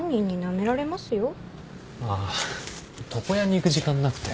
ああ床屋に行く時間なくて。